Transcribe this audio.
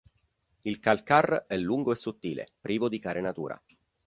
Il calcar è lungo e sottile, privo di carenatura.